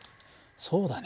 そうだね。